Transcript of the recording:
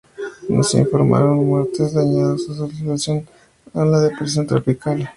No se informaron muertes o daños en asociación con la depresión tropical.